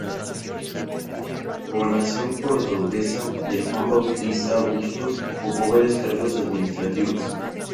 En la gobernación cordobesa de Juan Bautista Bustos ocupó varios cargos administrativos.